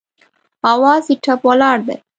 اواز یې ټپ ولاړ دی